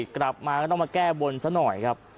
กลับมาก็ต้องมาแก้บนซะหน่อยครับ